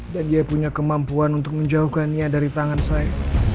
dan dia punya kemampuan untuk menjauhkan nia dari tangan saya